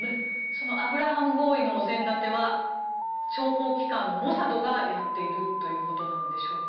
そのアブラハム合意のおぜん立ては諜報機関のモサドがやっているということなんでしょうか？